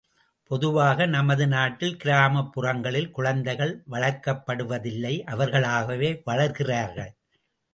பொதுவாக நமது நாட்டில் கிராமப் புறங்களில் குழந்தைகள் வளர்க்கப்படுவதில்லை அவர்களாகவே வளர்கிறார்கள்.